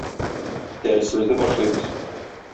Дәресебезне башлыйбыз.